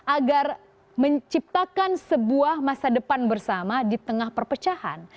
agar menciptakan sebuah masa depan bersama di tengah perpecahan